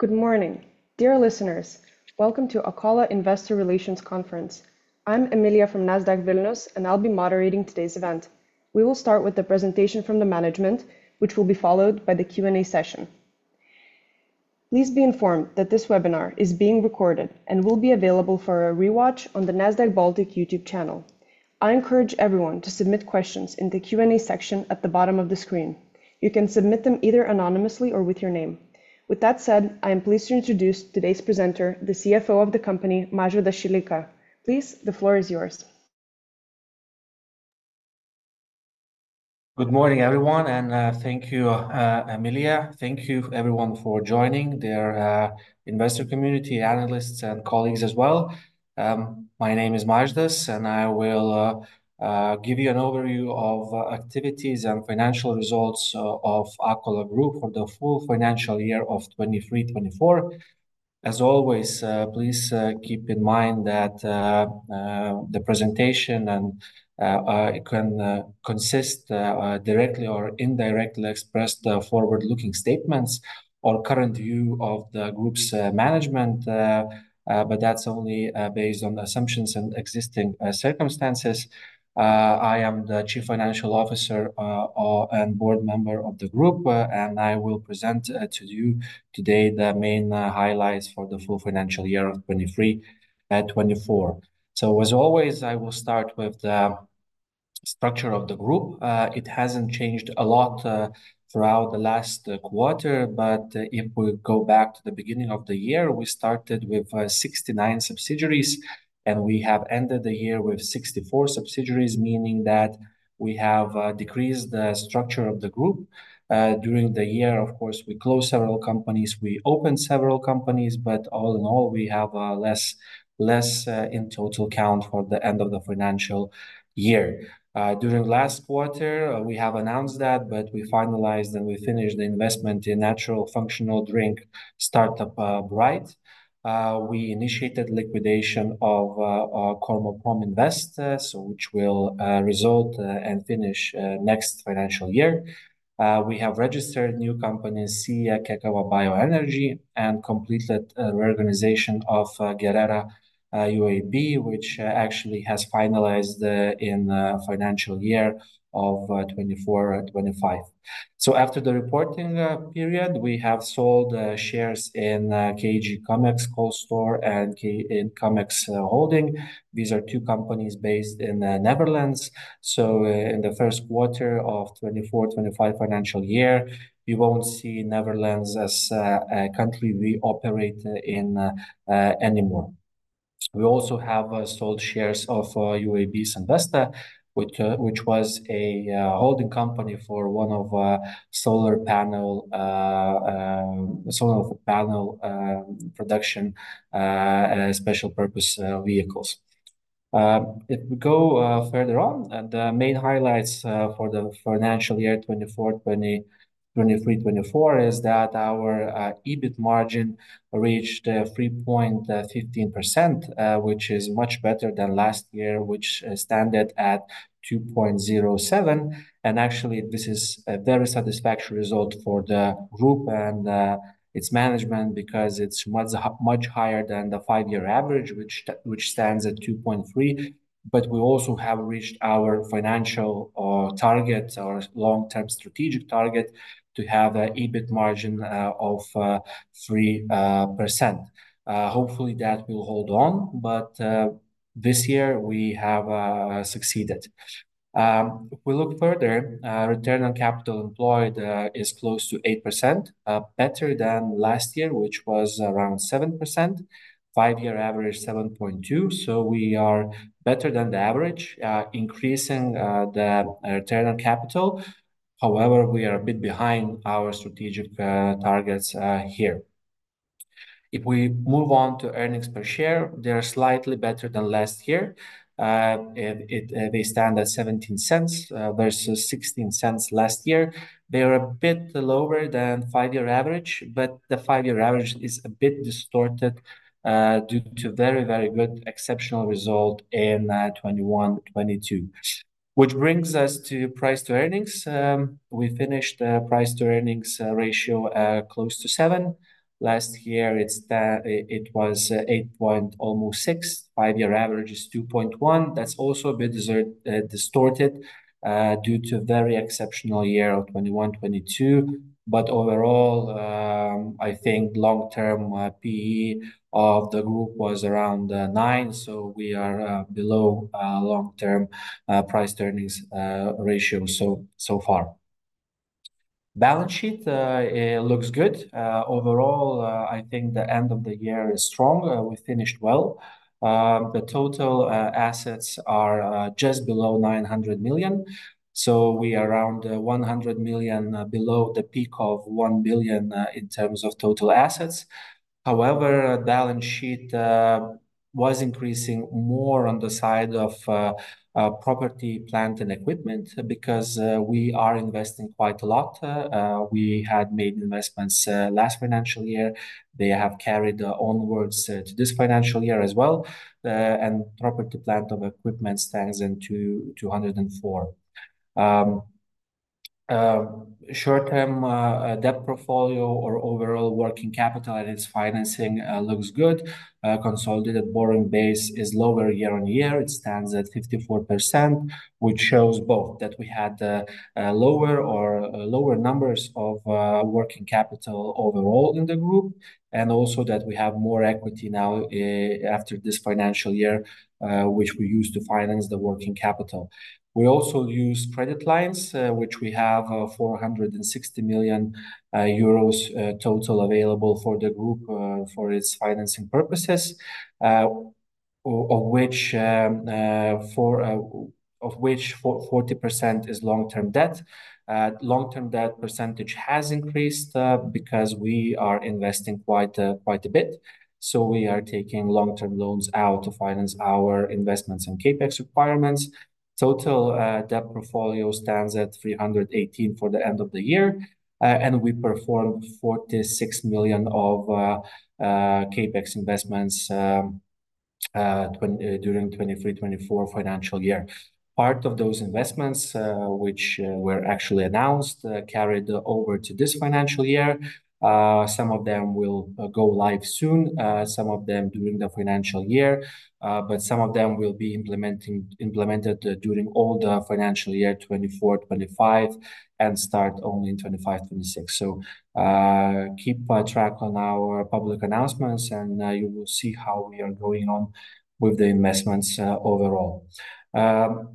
Good morning, dear listeners. Welcome to Akola Investor Relations conference. I'm Emilia from Nasdaq Vilnius, and I'll be moderating today's event. We will start with the presentation from the management, which will be followed by the Q&A session. Please be informed that this webinar is being recorded and will be available for a rewatch on the Nasdaq Baltic YouTube channel. I encourage everyone to submit questions in the Q&A section at the bottom of the screen. You can submit them either anonymously or with your name. With that said, I am pleased to introduce today's presenter, the CFO of the company, Mažvydas Šileika. Please, the floor is yours. Good morning, everyone, and thank you, Emilia. Thank you everyone for joining. Dear investor community, analysts, and colleagues as well. My name is Mažvydas, and I will give you an overview of activities and financial results of Akola Group for the full financial year of 2023-2024. As always, please keep in mind that the presentation and it can consist directly or indirectly expressed forward-looking statements or current view of the group's management, but that's only based on assumptions and existing circumstances. I am the Chief Financial Officer and board member of the group, and I will present to you today the main highlights for the full financial year of 2023-2024. So as always, I will start with the structure of the group. It hasn't changed a lot throughout the last quarter, but if we go back to the beginning of the year, we started with 69 subsidiaries, and we have ended the year with 64 subsidiaries, meaning that we have decreased the structure of the group. During the year, of course, we closed several companies, we opened several companies, but all in all, we have less in total count for the end of the financial year. During last quarter, we have announced that, but we finalized and we finished the investment in natural functional drink startup Brite. We initiated liquidation of our Kormoprom Invest, so which will result and finish next financial year. We have registered new companies, SIA Ķekava Bioenergy, and completed reorganization of UAB Geoera, which actually has finalized in financial year of 2024 and 2025. So after the reporting period, we have sold shares in KG Khumex Coldstore, and in Khumex Holding. These are two companies based in Netherlands. So in the first quarter of 2024/2025 financial year, we won't see Netherlands as a country we operate in anymore. We also have sold shares of UAB Investa, which was a holding company for one of our solar panel production special purpose vehicles. If we go further on and the main highlights for the financial year 2024, 2023/2024, our EBIT margin reached 3.15%, which is much better than last year, which stood at 2.07%. And actually, this is a very satisfactory result for the group and its management because it's much, much higher than the five-year average, which stands at 2.3%. But we also have reached our financial target, our long-term strategic target, to have a EBIT margin of 3%. Hopefully, that will hold on, but this year we have succeeded. If we look further, return on capital employed is close to 8%, better than last year, which was around 7%. Five-year average, 7.2%, so we are better than the average, increasing the return on capital. However, we are a bit behind our strategic targets here. If we move on to earnings per share, they are slightly better than last year. They stand at 0.17 versus 0.16 last year. They are a bit lower than five-year average, but the five-year average is a bit distorted due to very, very good exceptional result in 2021/2022. Which brings us to price to earnings. We finished the price-to-earnings ratio close to seven. Last year, it was eight point almost six. Five-year average is 2.1. That's also a bit distorted due to very exceptional year of 2021/2022. But overall, I think long-term PE of the group was around nine, so we are below long-term price-to-earnings ratio, so far. Balance sheet looks good. Overall, I think the end of the year is strong, we finished well. The total assets are just below 900 million, so we are around 100 million below the peak of 1 billion, in terms of total assets. However, balance sheet was increasing more on the side of property, plant, and equipment, because we are investing quite a lot. We had made investments last financial year. They have carried onwards to this financial year as well. Property, plant, and equipment stands in 204. Short term debt portfolio or overall working capital and its financing looks good. Consolidated borrowing base is lower year on year. It stands at 54%, which shows both that we had lower numbers of working capital overall in the group, and also that we have more equity now after this financial year, which we use to finance the working capital. We also use credit lines, which we have 460 million euros total available for the group for its financing purposes. Of which forty percent is long-term debt. Long-term debt percentage has increased because we are investing quite a bit, so we are taking long-term loans out to finance our investments and CapEx requirements. Total debt portfolio stands at 318 million for the end of the year, and we performed 46 million of CapEx investments, twen... the 2023/2024 financial year. Part of those investments, which were actually announced, carried over to this financial year. Some of them will go live soon, some of them during the financial year, but some of them will be implemented during all the financial year 2024/2025, and start only in 2025/2026. So, keep track on our public announcements, and you will see how we are going on with the investments overall.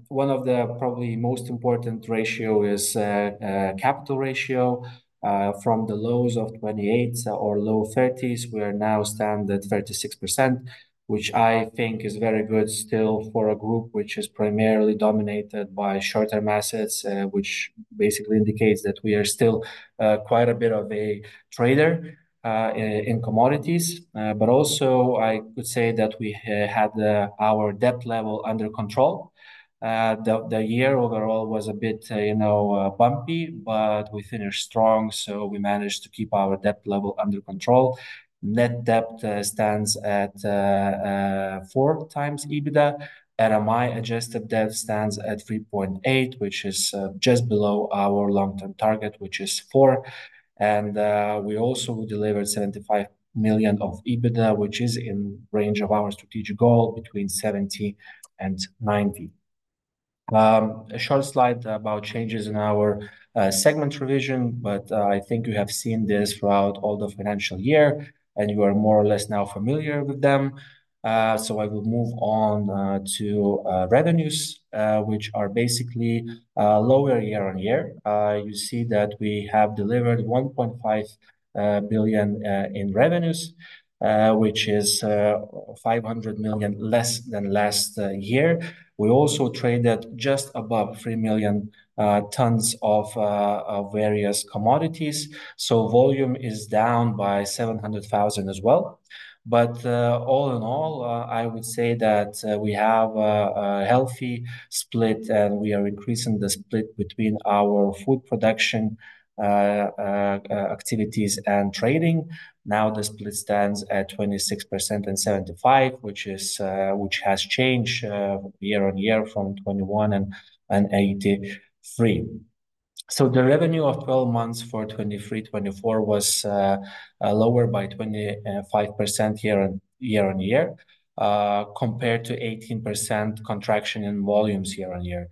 One of the probably most important ratio is capital ratio. From the lows of 28 or low 30s, we are now stand at 36%, which I think is very good still for a group which is primarily dominated by short-term assets. Which basically indicates that we are still quite a bit of a trader in commodities. But also I could say that we had our debt level under control. The year overall was a bit, you know, bumpy, but we finished strong, so we managed to keep our debt level under control. Net debt stands at four times EBITDA, and RMI adjusted debt stands at 3.8, which is just below our long-term target, which is four. We also delivered 75 million of EBITDA, which is in range of our strategic goal between 70 and 90. A short slide about changes in our segment revision, but I think you have seen this throughout all the financial year, and you are more or less now familiar with them. So I will move on to revenues, which are basically lower year on year. You see that we have delivered 1.5 billion in revenues, which is 500 million less than last year. We also traded just above 3 million tons of various commodities, so volume is down by 700,000 as well. But all in all, I would say that we have a healthy split, and we are increasing the split between our food production activities and trading. Now, the split stands at 26% and 75%, which has changed year on year from 21% and 83%. So the revenue of twelve months for 2023/2024 was lower by 25% year on year, compared to 18% contraction in volumes year on year.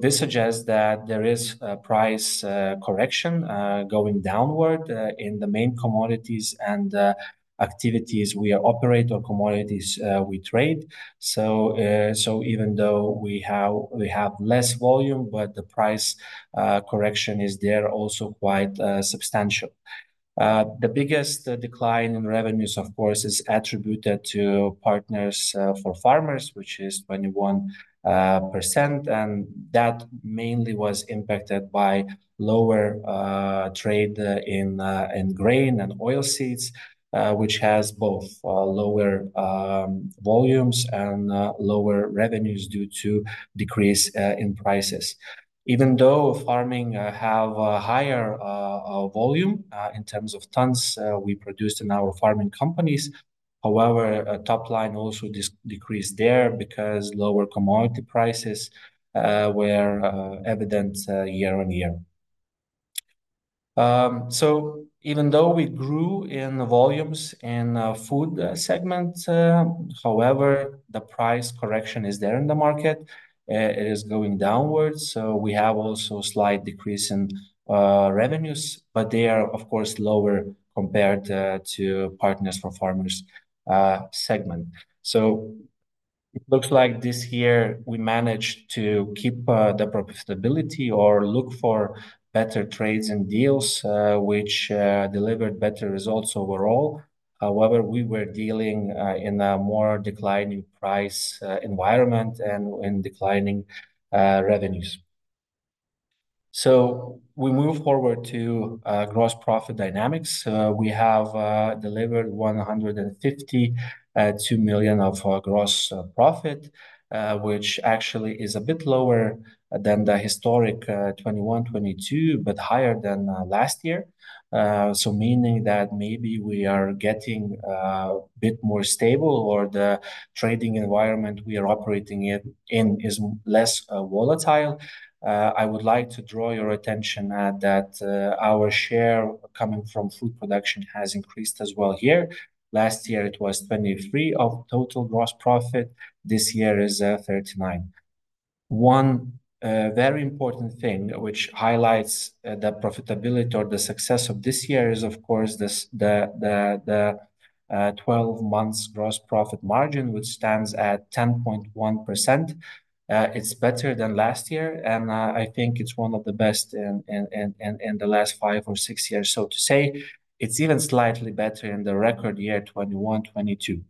This suggests that there is a price correction going downward in the main commodities and activities we operate, or commodities we trade. So even though we have less volume, but the price correction is there also quite substantial. The biggest decline in revenues, of course, is attributed to Partners for Farmers, which is 21%, and that mainly was impacted by lower trade in grain and oilseeds. Which has both lower volumes and lower revenues due to decrease in prices. Even though farming have a higher volume in terms of tons we produced in our farming companies. However, top line also decreased there because lower commodity prices were evident year on year. So even though we grew in volumes in our food segment, however, the price correction is there in the market, it is going downwards. We have also slight decrease in revenues, but they are of course lower compared to Partners for Farmers segment. It looks like this year we managed to keep the profitability or look for better trades and deals, which delivered better results overall. However, we were dealing in a more declining price environment and in declining revenues. We move forward to gross profit dynamics. We have delivered 152 million of gross profit, which actually is a bit lower than the historic 2021/2022, but higher than last year. So meaning that maybe we are getting a bit more stable, or the trading environment we are operating in is less volatile. I would like to draw your attention that our share coming from food production has increased as well here. Last year it was 23 of total gross profit. This year is 39. One very important thing which highlights the profitability or the success of this year is, of course, this twelve months gross profit margin, which stands at 10.1%. It's better than last year, and I think it's one of the best in the last five or six years. So to say, it's even slightly better in the record year, 2021, 2022.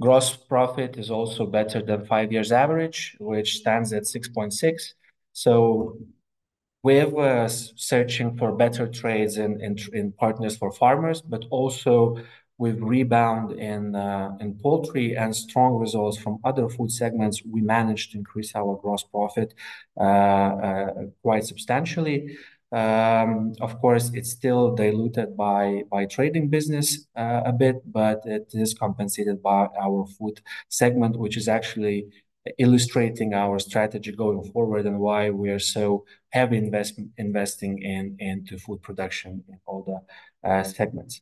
Gross profit is also better than five-year average, which stands at 6.6. We were searching for better trades in Partners for Farmers, but also with rebound in poultry and strong results from other food segments, we managed to increase our gross profit quite substantially. Of course, it's still diluted by trading business a bit, but it is compensated by our food segment, which is actually illustrating our strategy going forward and why we are so heavy investing into food production in all the segments.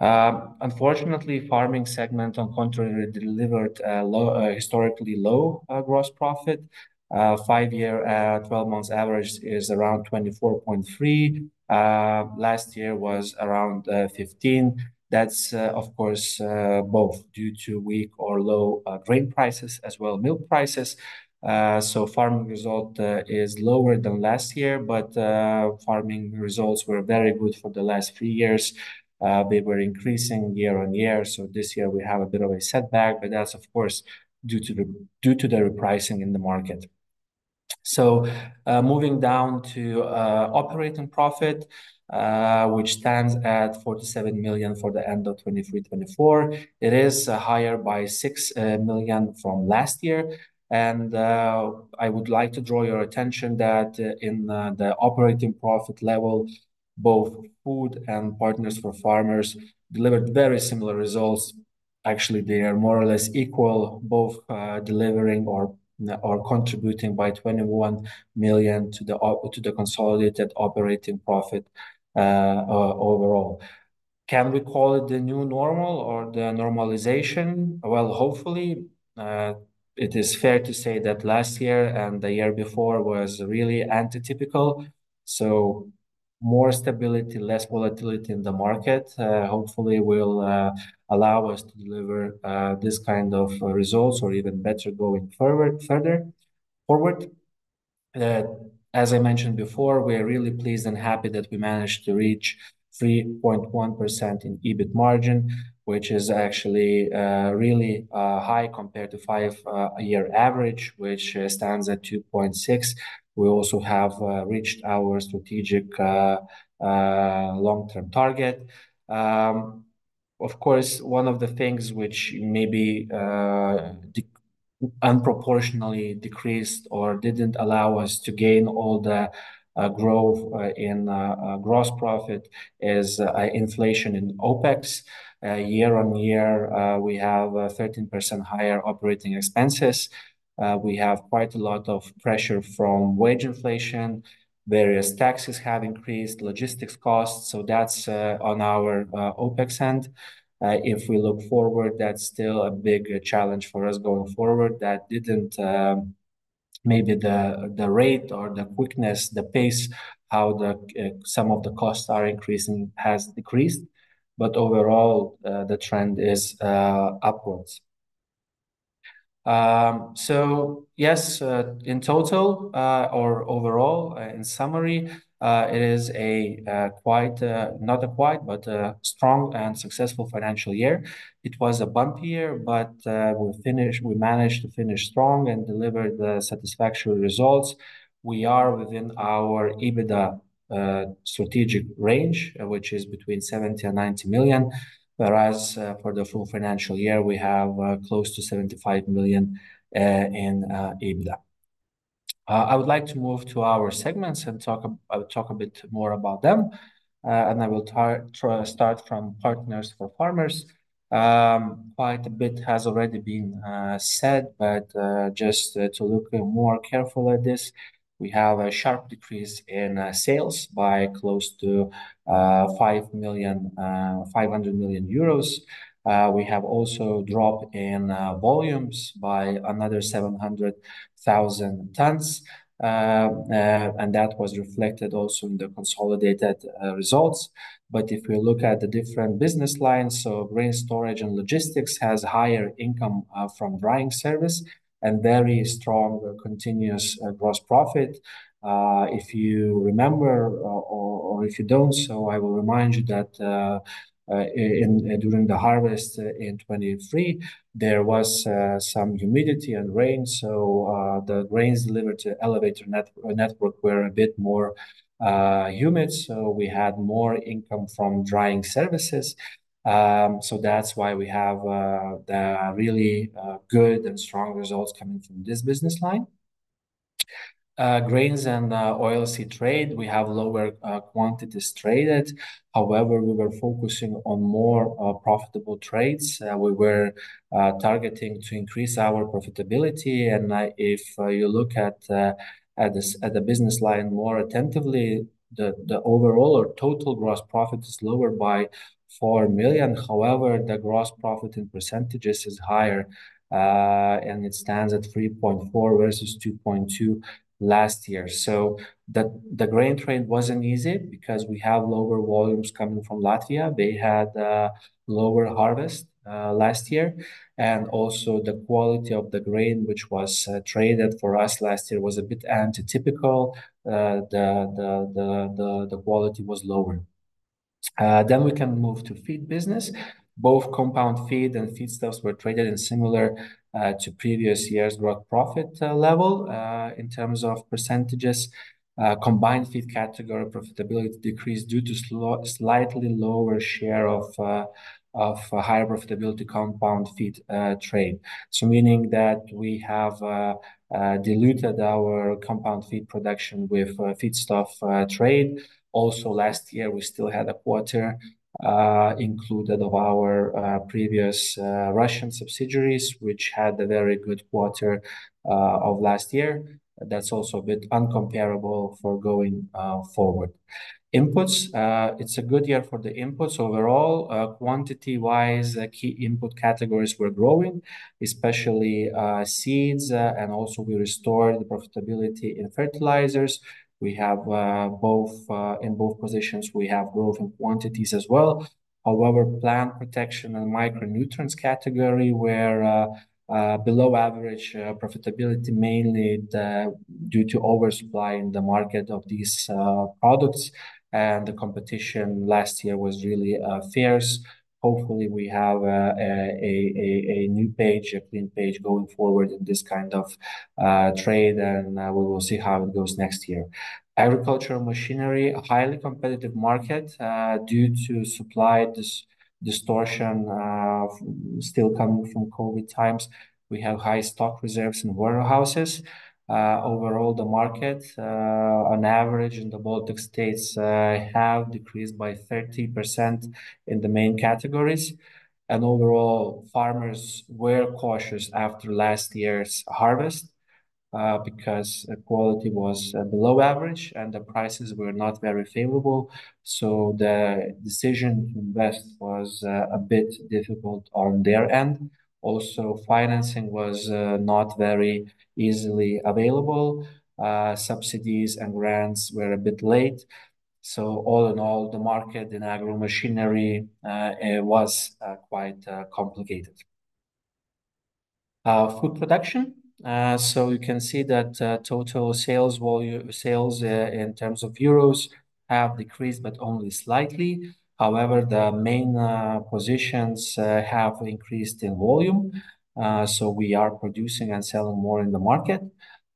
Unfortunately, farming segment, on contrary, delivered a low historically low gross profit. Five-year 12-month average is around 24.3. Last year was around 15. That's of course both due to weak or low grain prices as well as milk prices. So farming result is lower than last year, but farming results were very good for the last three years. They were increasing year on year, so this year we have a bit of a setback, but that's of course due to the repricing in the market. So moving down to operating profit, which stands at 47 million for the end of 2023, 2024. It is higher by 6 million from last year. I would like to draw your attention that in the operating profit level, both food and Partners for Farmers delivered very similar results. Actually, they are more or less equal, both delivering or contributing by 21 million to the consolidated operating profit overall. Can we call it the new normal or the normalization? Well, hopefully it is fair to say that last year and the year before was really atypical. So more stability, less volatility in the market, hopefully will allow us to deliver this kind of results or even better going forward, further forward. As I mentioned before, we are really pleased and happy that we managed to reach 3.1% in EBIT margin, which is actually really high compared to five-year average, which stands at 2.6. We also have reached our strategic long-term target. Of course, one of the things which maybe disproportionally decreased or didn't allow us to gain all the growth in gross profit is inflation in OpEx. Year on year, we have 13% higher operating expenses. We have quite a lot of pressure from wage inflation, various taxes have increased, logistics costs, so that's on our OpEx end. If we look forward, that's still a big challenge for us going forward. That didn't maybe the rate or the quickness, the pace, how some of the costs are increasing has decreased, but overall the trend is upwards. So yes, in total, or overall, in summary, it is quite, not quite, but a strong and successful financial year. It was a bumpy year, but we managed to finish strong and deliver satisfactory results. We are within our EBITDA strategic range, which is between 70 million and 90 million, whereas for the full financial year, we have close to 75 million in EBITDA. I would like to move to our segments and talk a bit more about them, and I will try to start from Partners for Farmers. Quite a bit has already been said, but just to look more careful at this, we have a sharp decrease in sales by close to 550 million. We have also drop in volumes by another 700,000 tons, and that was reflected also in the consolidated results. But if we look at the different business lines, so grain storage and logistics has higher income from drying service and very strong continuous gross profit. If you remember or if you don't, so I will remind you that during the harvest in 2023, there was some humidity and rain, so the grains delivered to elevator network were a bit more humid, so we had more income from drying services. So that's why we have the really good and strong results coming from this business line. Grains and oilseed trade, we have lower quantities traded. However, we were focusing on more profitable trades. We were targeting to increase our profitability. If you look at the business line more attentively, the overall or total gross profit is lower by 4 million. However, the gross profit in percentages is higher, and it stands at 3.4% versus 2.2% last year. So the grain trade wasn't easy because we have lower volumes coming from Latvia. They had lower harvest last year, and also the quality of the grain, which was traded for us last year, was a bit atypical. The quality was lower. Then we can move to feed business. Both compound feed and feedstuffs were traded in similar to previous years' gross profit level. In terms of percentages, combined feed category profitability decreased due to slightly lower share of of higher profitability compound feed trade. So meaning that we have diluted our compound feed production with feedstuff trade. Also, last year, we still had a quarter included of our previous Russian subsidiaries, which had a very good quarter of last year. That's also a bit uncomparable for going forward. Inputs, it's a good year for the inputs overall. Quantity-wise, key input categories were growing, especially seeds, and also we restored the profitability in fertilizers. We have both. In both positions, we have growth in quantities as well. However, plant protection and micronutrients category were below average profitability, mainly due to oversupply in the market of these products, and the competition last year was really fierce. Hopefully, we have a new page, a clean page going forward in this kind of trade, and we will see how it goes next year. Agricultural machinery, a highly competitive market, due to supply distortion still coming from COVID times. We have high stock reserves in warehouses. Overall, the market on average in the Baltic states have decreased by 30% in the main categories. And overall, farmers were cautious after last year's harvest because the quality was below average and the prices were not very favorable, so the decision to invest was a bit difficult on their end. Also, financing was not very easily available. Subsidies and grants were a bit late. So all in all, the market in agro machinery was quite complicated. Food production, so you can see that total sales volume, sales in terms of euros, have decreased, but only slightly. However, the main positions have increased in volume. So we are producing and selling more in the market.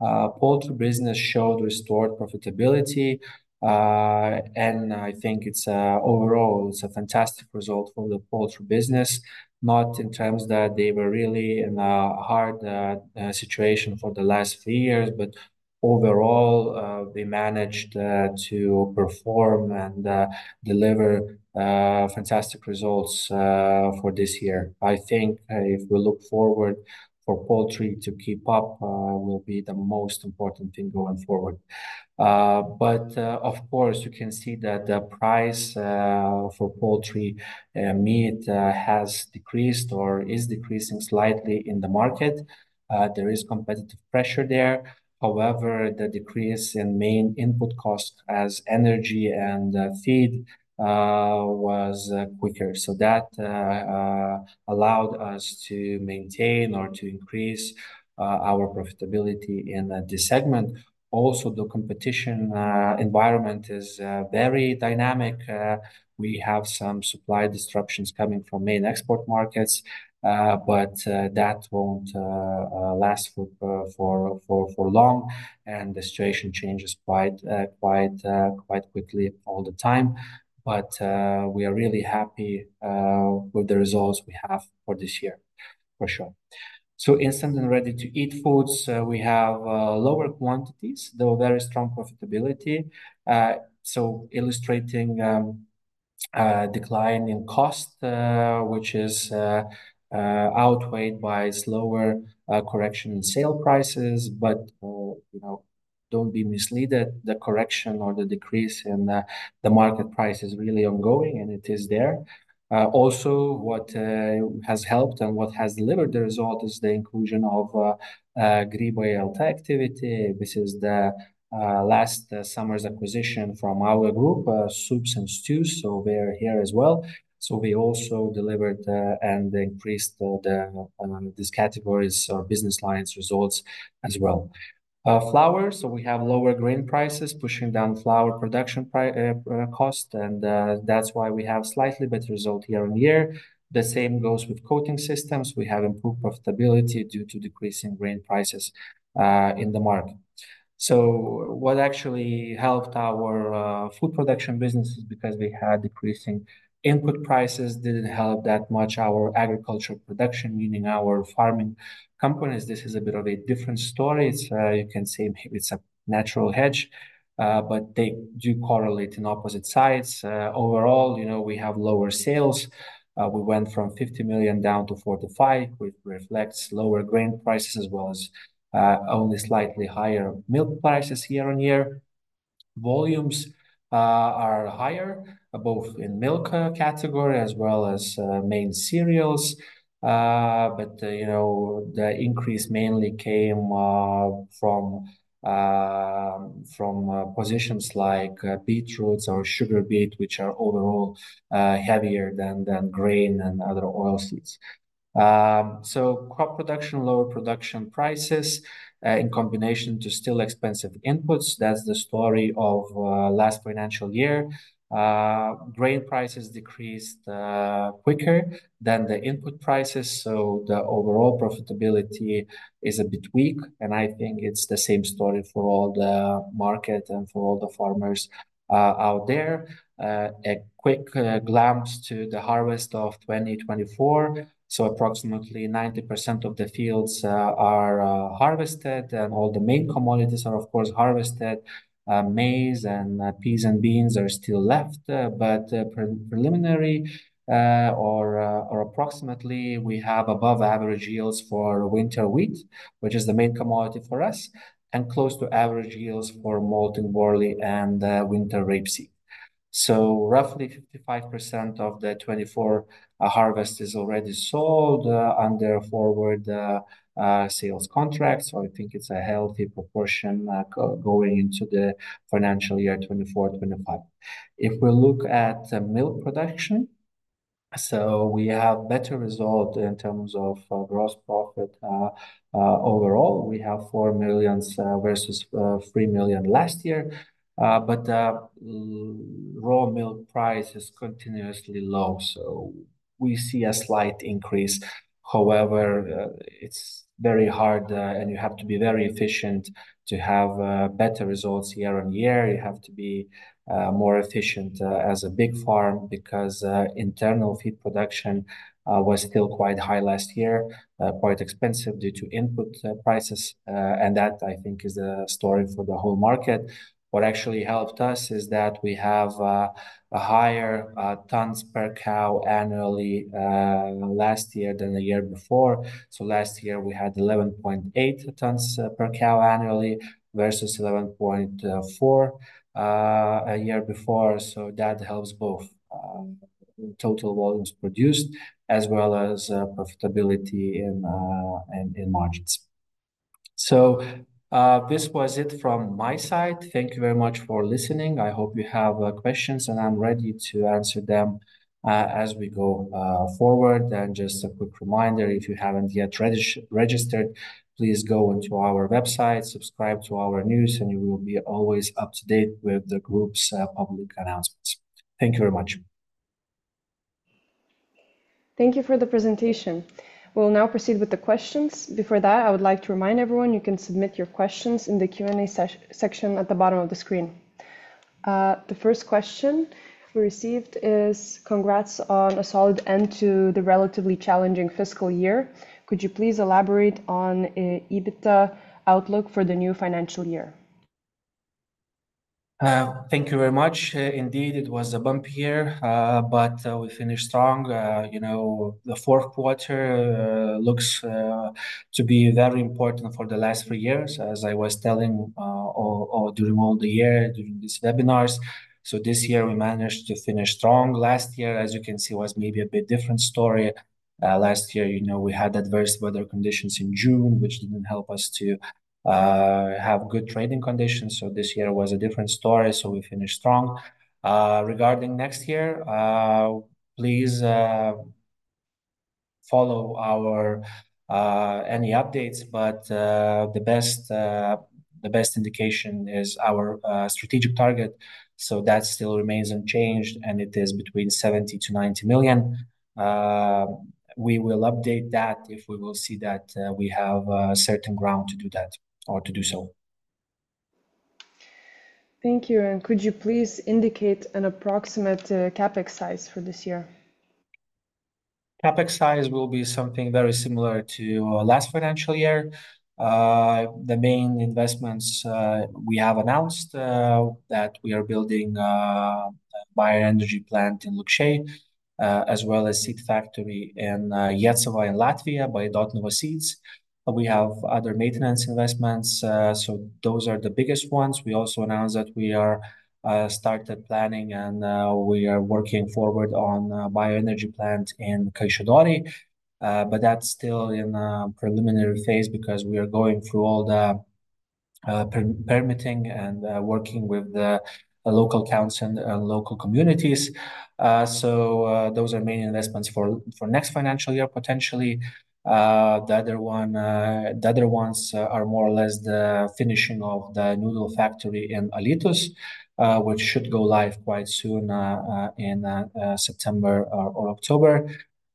Poultry business showed restored profitability, and I think it's overall, it's a fantastic result for the poultry business. Not in terms that they were really in a hard situation for the last few years, but overall, they managed to perform and deliver fantastic results for this year. I think, if we look forward, for poultry to keep up will be the most important thing going forward. But, of course, you can see that the price for poultry meat has decreased or is decreasing slightly in the market. There is competitive pressure there. However, the decrease in main input costs as energy and feed was quicker. So that allowed us to maintain or to increase our profitability in this segment. Also, the competition environment is very dynamic. We have some supply disruptions coming from main export markets, but that won't last for long, and the situation changes quite quickly all the time. But we are really happy with the results we have for this year, for sure. Instant and ready-to-eat foods, we have lower quantities, though very strong profitability. So illustrating a decline in cost, which is outweighed by slower correction in sale prices. But you know, don't be misled, the correction or the decrease in the market price is really ongoing, and it is there. Also, what has helped and what has delivered the result is the inclusion of Grybai LT activity, which is the last summer's acquisition from our group, soups and stews, so they are here as well. So we also delivered and increased these categories or business lines results as well. Flour, so we have lower grain prices, pushing down flour production cost, and that's why we have slightly better result year on year. The same goes with coating systems. We have improved profitability due to decreasing grain prices in the market. What actually helped our food production business is because we had decreasing input prices didn't help that much our agricultural production, meaning our farming companies. This is a bit of a different story. It's a natural hedge, but they do correlate in opposite sides. Overall, you know, we have lower sales. We went from 50 million down to 45 million, which reflects lower grain prices, as well as only slightly higher milk prices year on year. Volumes are higher, both in milk category as well as main cereals. But you know, the increase mainly came from positions like beetroots or sugar beet, which are overall heavier than grain and other oilseeds. So crop production, lower production prices in combination to still expensive inputs, that's the story of last financial year. Grain prices decreased quicker than the input prices, so the overall profitability is a bit weak, and I think it's the same story for all the market and for all the farmers out there. A quick glance to the harvest of 2024. So approximately 90% of the fields are harvested, and all the main commodities are, of course, harvested. Maize and peas and beans are still left, but preliminary or approximately, we have above average yields for winter wheat, which is the main commodity for us, and close to average yields for malting barley and winter rapeseed. So roughly 55% of the 2024 harvest is already sold under forward sales contracts, so I think it's a healthy proportion going into the financial year 2024-2025. If we look at the milk production, so we have better result in terms of gross profit. Overall, we have 4 million versus 3 million last year, but raw milk price is continuously low, so we see a slight increase. However, it's very hard, and you have to be very efficient to have better results year on year. You have to be more efficient as a big farm because internal feed production was still quite high last year. Quite expensive due to input prices, and that I think is the story for the whole market. What actually helped us is that we have a higher tons per cow annually last year than the year before. So last year we had 11.8 tons per cow annually versus 11.4 a year before, so that helps both total volumes produced as well as profitability in margins. So this was it from my side. Thank you very much for listening. I hope you have questions, and I'm ready to answer them as we go forward. Just a quick reminder, if you haven't yet registered, please go onto our website, subscribe to our news, and you will be always up to date with the group's public announcements. Thank you very much. Thank you for the presentation. We'll now proceed with the questions. Before that, I would like to remind everyone you can submit your questions in the Q&A section at the bottom of the screen. The first question we received is: Congrats on a solid end to the relatively challenging fiscal year. Could you please elaborate on EBITDA outlook for the new financial year? Thank you very much. Indeed, it was a bumpy year, but we finished strong. You know, the fourth quarter looks to be very important for the last three years, as I was telling all during the year, during these webinars. So this year, we managed to finish strong. Last year, as you can see, was maybe a bit different story. Last year, you know, we had adverse weather conditions in June, which didn't help us to have good trading conditions. So this year was a different story, so we finished strong. Regarding next year, please follow any updates, but the best indication is our strategic target. So that still remains unchanged, and it is between 70 million-90 million. We will update that if we will see that we have certain ground to do that or to do so. Thank you. And could you please indicate an approximate CapEx size for this year? CapEx size will be something very similar to last financial year. The main investments, we have announced, that we are building, bioenergy plant in Lukšiai, as well as seed factory in, Jēkabpils in Latvia by Dotnuva Seeds. We have other maintenance investments, so those are the biggest ones. We also announced that we are, started planning, and, we are working forward on a bioenergy plant in Kaišiadorys, but that's still in, preliminary phase because we are going through all the, permitting and, working with the, the local council and, and local communities. So, those are main investments for, for next financial year, potentially. The other one, the other ones are more or less the finishing of the noodle factory in Alytus, which should go live quite soon, in September or October.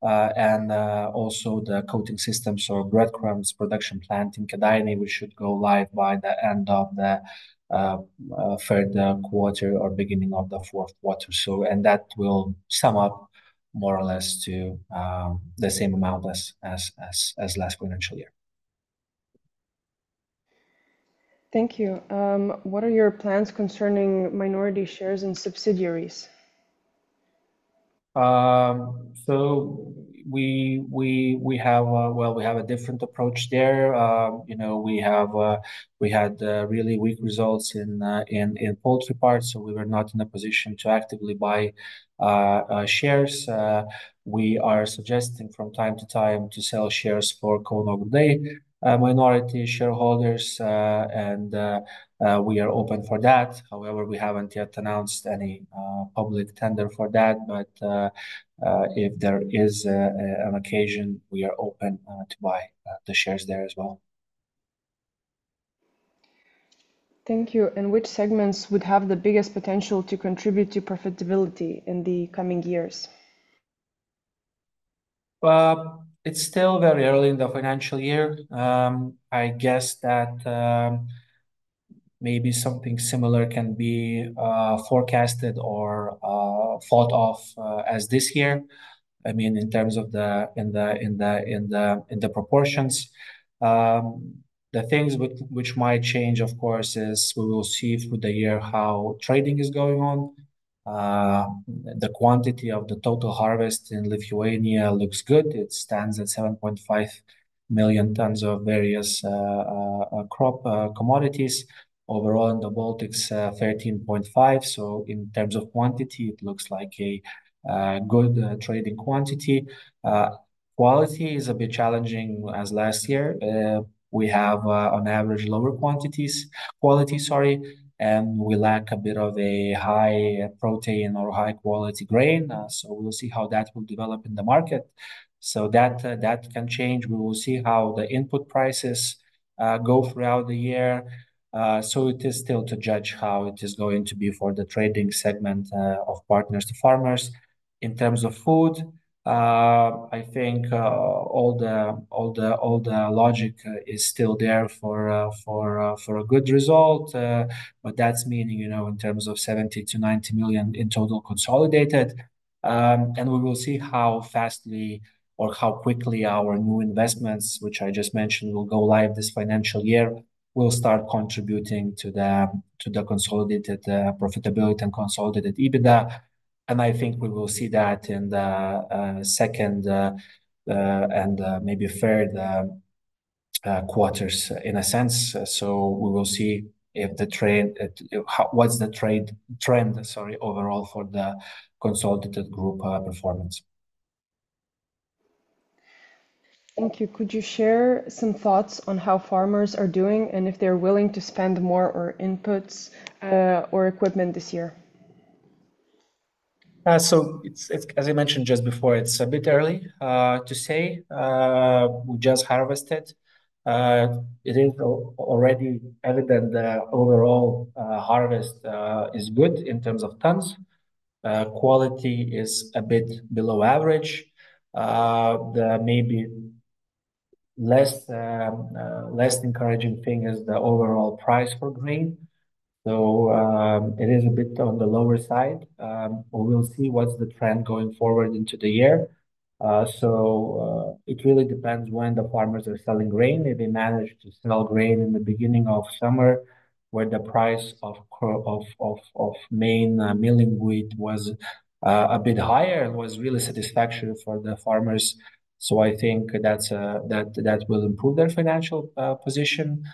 Also the coating systems or breadcrumbs production plant in Kėdainiai, we should go live by the end of the third quarter or beginning of the fourth quarter. That will sum up more or less to the same amount as last financial year.... Thank you. What are your plans concerning minority shares and subsidiaries? So we have a different approach there. You know, we had really weak results in poultry parts, so we were not in a position to actively buy shares. We are suggesting from time to time to sell shares for Kauno Grūdai minority shareholders, and we are open for that. However, we haven't yet announced any public tender for that, but if there is an occasion, we are open to buy the shares there as well. Thank you. And which segments would have the biggest potential to contribute to profitability in the coming years? It's still very early in the financial year. I guess that maybe something similar can be forecasted or thought of as this year. I mean, in terms of the proportions. The things which might change, of course, is we will see through the year how trading is going on. The quantity of the total harvest in Lithuania looks good. It stands at 7.5 million tons of various crop commodities. Overall, in the Baltics, 13.5, so in terms of quantity, it looks like a good trading quantity. Quality is a bit challenging as last year. We have on average lower quantities... Quality, sorry, and we lack a bit of a high protein or high-quality grain, so we'll see how that will develop in the market. So that can change. We will see how the input prices go throughout the year. So it is still to judge how it is going to be for the trading segment of Partners for Farmers. In terms of food, I think all the logic is still there for a good result. But that's meaning, you know, in terms of 70 million-90 million in total consolidated. And we will see how fast we or how quickly our new investments, which I just mentioned, will go live this financial year. We'll start contributing to the consolidated profitability and consolidated EBITDA, and I think we will see that in the second and maybe third quarters, in a sense. So we will see what the trend, sorry, overall for the consolidated group performance. Thank you. Could you share some thoughts on how farmers are doing, and if they're willing to spend more on inputs, or equipment this year? It's as I mentioned just before. It's a bit early to say. We just harvested. It is already evident the overall harvest is good in terms of tons. Quality is a bit below average. The maybe less encouraging thing is the overall price for grain, so it is a bit on the lower side. We will see what's the trend going forward into the year, so it really depends when the farmers are selling grain. If they manage to sell grain in the beginning of summer, where the price of crop of main milling wheat was a bit higher, it was really satisfactory for the farmers, so I think that will improve their financial position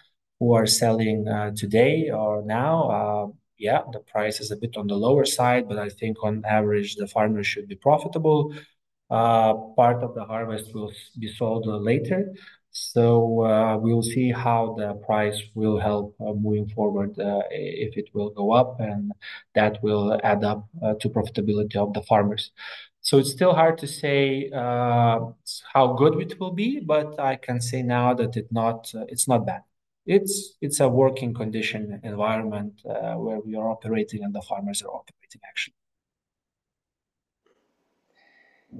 who are selling today or now. Yeah, the price is a bit on the lower side, but I think on average, the farmers should be profitable. Part of the harvest will be sold later. So, we'll see how the price will help moving forward, if it will go up, and that will add up to profitability of the farmers. So it's still hard to say how good it will be, but I can say now that it's not bad. It's a working condition environment where we are operating and the farmers are operating, actually.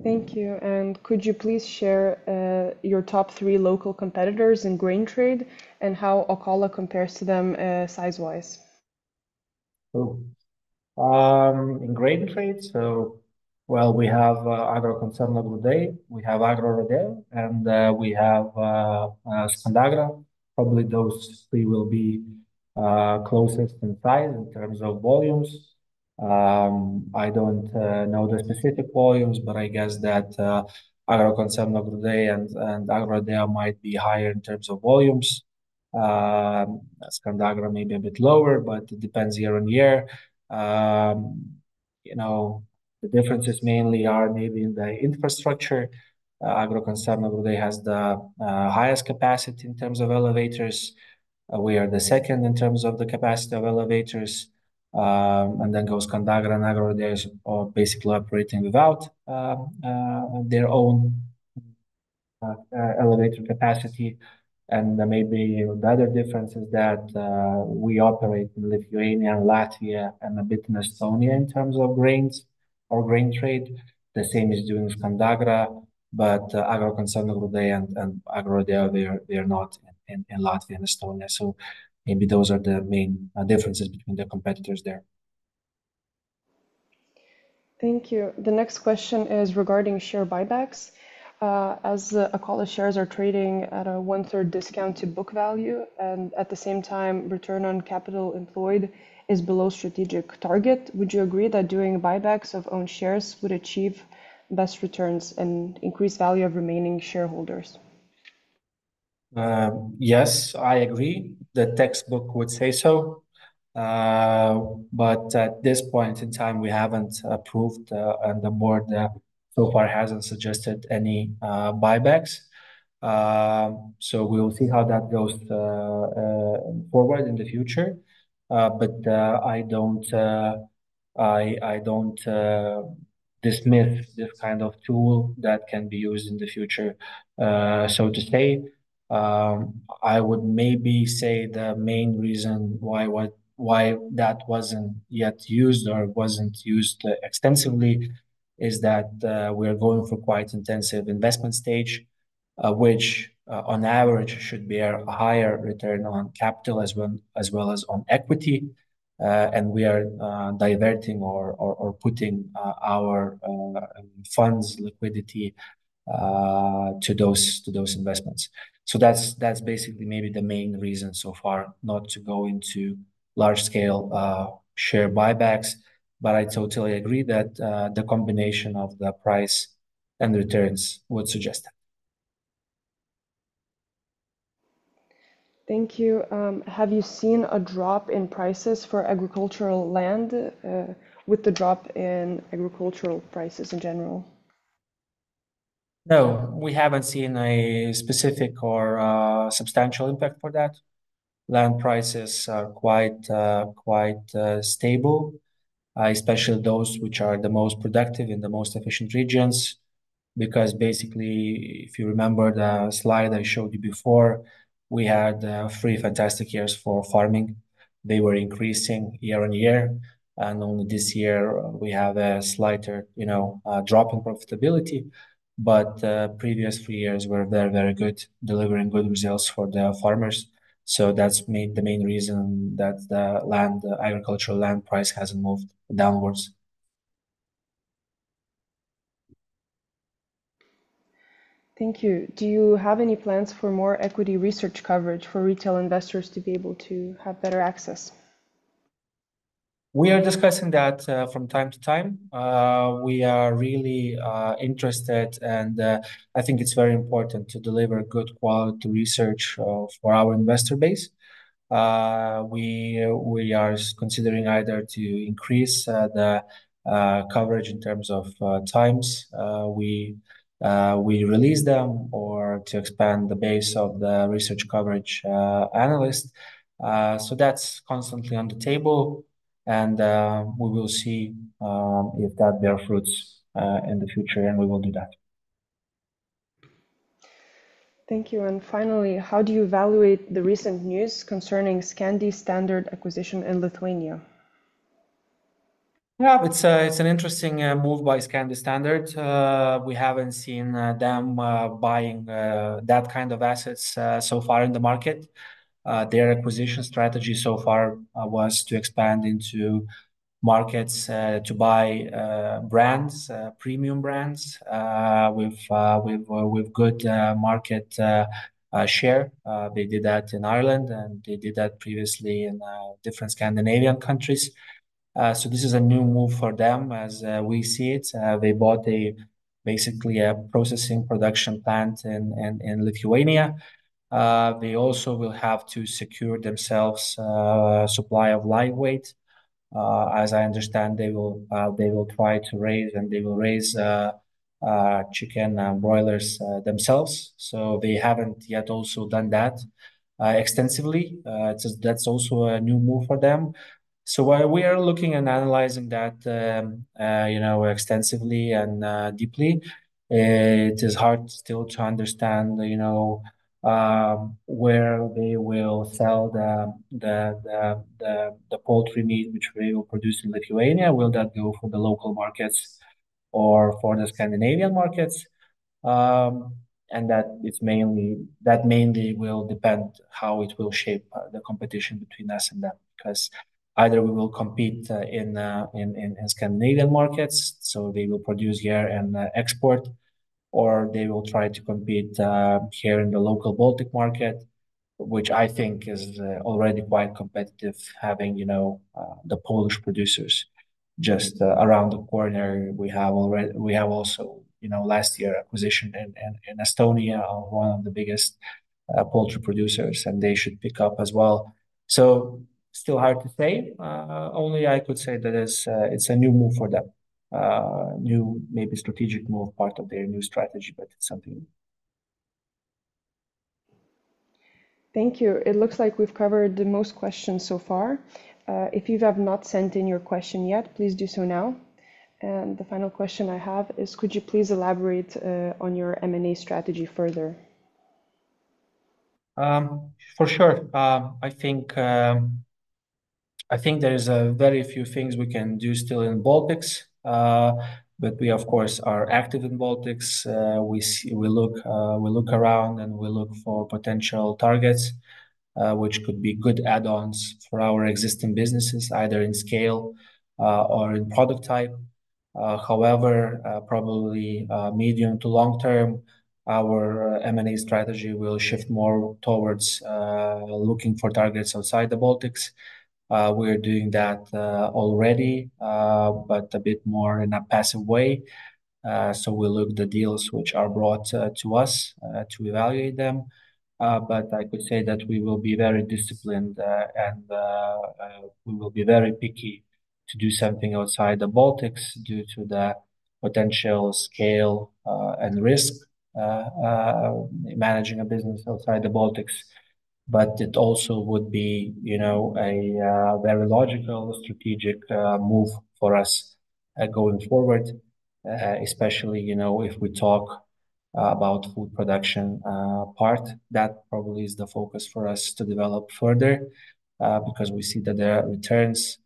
Thank you. And could you please share your top three local competitors in grain trade and how Akola compares to them size-wise? So, in grain trade, so, well, we have Agrokoncerno Grūdai, we have Agrorodeo, and we have Scandagra. Probably, those three will be closest in size in terms of volumes. I don't know the specific volumes, but I guess that Agrokoncerno Grūdai and Agrorodeo might be higher in terms of volumes. Scandagra may be a bit lower, but it depends year on year. You know, the differences mainly are maybe in the infrastructure. Agrokoncerno Grūdai has the highest capacity in terms of elevators. We are the second in terms of the capacity of elevators, and then goes Scandagra and Agrorodeo are basically operating without their own elevator capacity. Maybe the other difference is that we operate in Lithuania and Latvia and a bit in Estonia in terms of grains or grain trade. The same is doing Scandagra, but Agrokoncerno Grūdai and Agrorodeo, they are not in Latvia and Estonia. So maybe those are the main differences between the competitors there.... Thank you. The next question is regarding share buybacks. As Akola shares are trading at a 1/3 discount to book value, and at the same time, return on capital employed is below strategic target, would you agree that doing buybacks of own shares would achieve best returns and increase value of remaining shareholders? Yes, I agree. The textbook would say so. But at this point in time, we haven't approved, and the board so far hasn't suggested any buybacks. So we will see how that goes forward in the future. But I don't dismiss this kind of tool that can be used in the future. So to say, I would maybe say the main reason why that wasn't yet used or wasn't used extensively is that we are going through quite intensive investment stage, which on average should bear a higher return on capital as well as on equity. And we are diverting or putting our funds liquidity to those investments. So that's basically maybe the main reason so far, not to go into large scale share buybacks. But I totally agree that the combination of the price and returns would suggest that. Thank you. Have you seen a drop in prices for agricultural land, with the drop in agricultural prices in general? No, we haven't seen a specific or substantial impact for that. Land prices are quite, quite stable, especially those which are the most productive in the most efficient regions. Because basically, if you remember the slide I showed you before, we had three fantastic years for farming. They were increasing year on year, and only this year we have a slighter, you know, drop in profitability. But the previous few years were very, very good, delivering good results for the farmers. So that's the main reason that the land, agricultural land price hasn't moved downwards. Thank you. Do you have any plans for more equity research coverage for retail investors to be able to have better access? We are discussing that from time to time. We are really interested, and I think it's very important to deliver good quality research for our investor base. We are considering either to increase the coverage in terms of times we release them, or to expand the base of the research coverage analyst. So that's constantly on the table, and we will see if that bear fruits in the future, and we will do that. Thank you. Finally, how do you evaluate the recent news concerning Scandi Standard acquisition in Lithuania? Yeah, it's an interesting move by Scandi Standard. We haven't seen them buying that kind of assets so far in the market. Their acquisition strategy so far was to expand into markets to buy brands, premium brands with good market share. They did that in Ireland, and they did that previously in different Scandinavian countries. So this is a new move for them as we see it. They bought basically a processing production plant in Lithuania. They also will have to secure themselves supply of live weight. As I understand, they will try to raise and they will raise chicken broilers themselves. They haven't yet also done that extensively. It is. That's also a new move for them. So while we are looking and analyzing that, you know, extensively and deeply, it is hard still to understand, you know, where they will sell the poultry meat which they will produce in Lithuania. Will that go for the local markets or for the Scandinavian markets? And that it's mainly - that mainly will depend how it will shape the competition between us and them. Because either we will compete in the Scandinavian markets, so they will produce here and export, or they will try to compete here in the local Baltic market, which I think is already quite competitive having, you know, the Polish producers just around the corner. We have also, you know, last year, acquisition in Estonia of one of the biggest poultry producers, and they should pick up as well. So still hard to say. Only I could say that it's a new move for them. New, maybe strategic move, part of their new strategy, but it's something. Thank you. It looks like we've covered the most questions so far. If you have not sent in your question yet, please do so now. And the final question I have is, could you please elaborate on your M&A strategy further? For sure. I think there is a very few things we can do still in Baltics, but we of course are active in Baltics. We see. We look around, and we look for potential targets, which could be good add-ons for our existing businesses, either in scale, or in product type. However, probably, medium to long term, our M&A strategy will shift more towards looking for targets outside the Baltics. We're doing that already, but a bit more in a passive way. We look the deals which are brought to us to evaluate them. But I could say that we will be very disciplined, and we will be very picky to do something outside the Baltics due to the potential scale and risk managing a business outside the Baltics. But it also would be, you know, a very logical, strategic move for us, going forward. Especially, you know, if we talk about food production part, that probably is the focus for us to develop further, because we see that the returns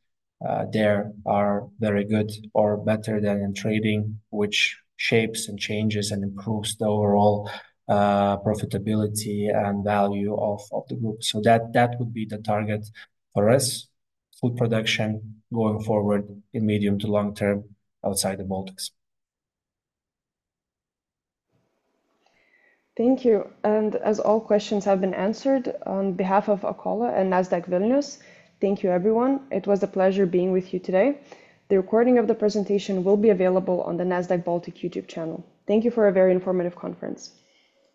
there are very good or better than in trading, which shapes and changes and improves the overall profitability and value of the group. So that would be the target for us: food production going forward in medium to long term outside the Baltics. Thank you. And as all questions have been answered, on behalf of Akola and Nasdaq Vilnius, thank you, everyone. It was a pleasure being with you today. The recording of the presentation will be available on the Nasdaq Baltic YouTube channel. Thank you for a very informative conference.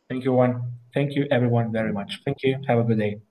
Thank you, everyone. Thank you everyone very much. Thank you. Have a good day.